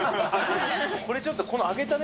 これちょっと、この揚げた麺